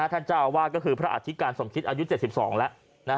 ท่านเจ้าอาวาสก็คือพระอธิการสมคิดอายุ๗๒แล้ว